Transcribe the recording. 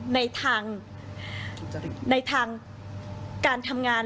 ในทางการทำงาน